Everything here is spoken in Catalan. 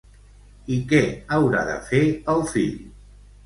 I què haurà de fer el fill?